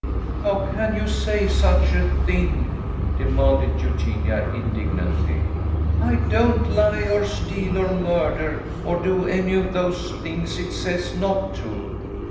" How can you say such a thing ?" demanded Eugenia, indignantly. " I don't lie or steal or murder, or do any of those things it says not to."